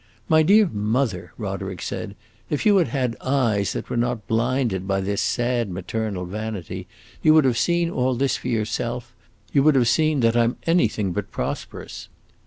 "My dear mother," Roderick said, "if you had had eyes that were not blinded by this sad maternal vanity, you would have seen all this for yourself; you would have seen that I 'm anything but prosperous."